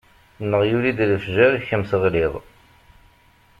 Neɣ yuli-d lefjer kemm teɣliḍ.